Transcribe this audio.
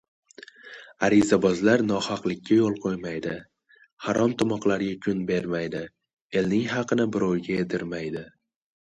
Arizabozlar nohaqlikka yo‘l qo‘ymaydi. Harom-tomoqlarga kun bermaydi. Elning haqini birovga yedirmaydi.